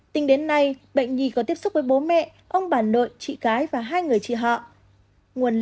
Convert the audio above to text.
tính đến nay bệnh nhi có tiếp xúc với bố mẹ ông bà nội chị cái và hai người chị họ